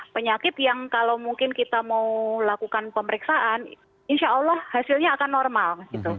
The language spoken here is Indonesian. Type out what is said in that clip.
penyakit yang kalau mungkin kita mau lakukan pemeriksaan insya allah hasilnya akan normal